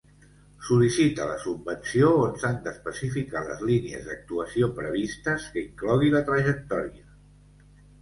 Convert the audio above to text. Sol·licita la subvenció on s'han d'especificar les línies d'actuació previstes, que inclogui la trajectòria.